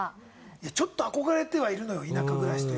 ちょっと憧れてはいるのよ田舎暮らし。